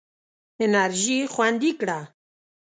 انرژي خوندي کړه.